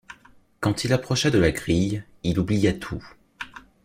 Quand il approcha de la grille, il oublia tout.